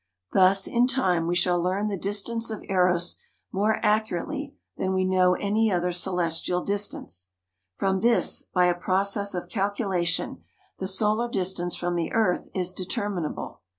Thus in time we shall learn the distance of Eros more accurately than we know any other celestial distance. From this, by a process of calculation, the solar distance from the earth is determinable.